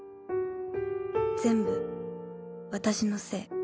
全部、私のせい。